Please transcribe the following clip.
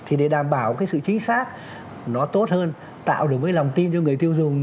thì để đảm bảo cái sự chính xác nó tốt hơn tạo được cái lòng tin cho người tiêu dùng